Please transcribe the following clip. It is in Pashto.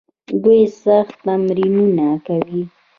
دوی سخت تمرینونه کوي.